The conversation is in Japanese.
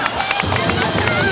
やりました。